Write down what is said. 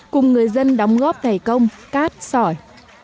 cùng người dân đóng góp đầy công cát sỏi